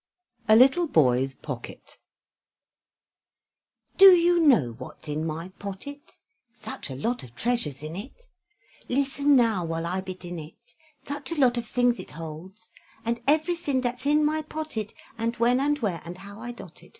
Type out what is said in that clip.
A LITTLE BOY'S POCKET Do you know what's in my pottet? Such a lot of treasures in it! Listen now while I bedin it: Such a lot of sings it holds, And everysin dats in my pottet, And when, and where, and how I dot it.